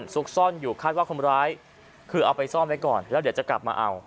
ซุกซ่อนอยู่คาดว่าคนร้ายคือเอาไปซ่อนไว้ก่อนแล้วเดี๋ยวจะกลับมาเอา